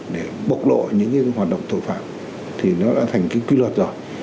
để bộc lộ những hoạt động tội phạm thì nó đã thành quy luật rồi